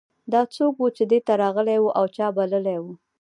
دا څوک و چې دې ته راغلی و او چا بللی و